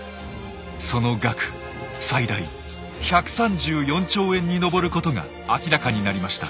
その額最大１３４兆円に上ることが明らかになりました。